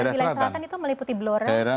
kalau wilayah selatan itu meliputi blora